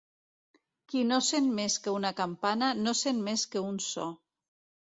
Qui no sent més que una campana, no sent més que un so.